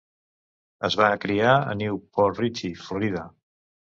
Es va criar a New Port Richey, Florida.